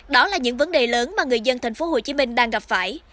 đó là những vấn đề lớn mà người dân tp hcm đang gặp phải